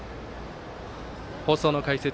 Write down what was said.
放送の解説